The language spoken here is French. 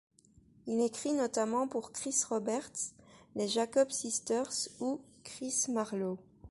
Il écrit notamment pour Chris Roberts, les Jacob Sisters ou Chris Marlow.